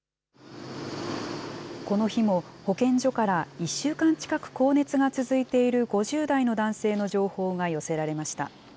この日も保健所から１週間近く高熱が続いている５０代の男性の情報が寄せられました。